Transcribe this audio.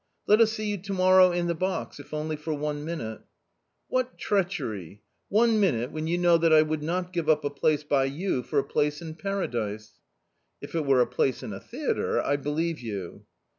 " Let us see you to morrow in the box, if only for one minute". "" What treachery ! One minute, when you know that I would not give up a place by you for a place in Paradise." " If it were a place in a theatre, I believe you."